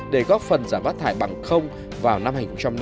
để góp phần giảm bát thải bằng không vào năm hai nghìn hai mươi một